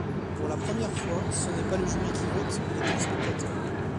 Pour la première fois, ce n'est pas le jury qui vote mais les téléspectateurs.